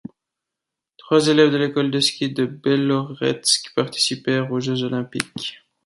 Trois élèves de l'école de ski de Beloretsk participèrent aux jeux olympiques.